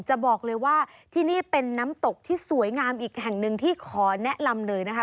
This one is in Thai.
จะบอกเลยว่าที่นี่เป็นน้ำตกที่สวยงามอีกแห่งหนึ่งที่ขอแนะนำเลยนะคะ